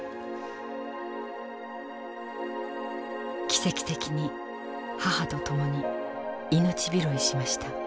奇跡的に母と共に命拾いしました。